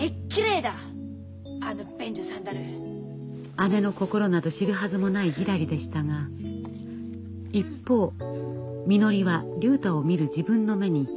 姉の心など知るはずもないひらりでしたが一方みのりは竜太を見る自分の目に少し自信をなくしていました。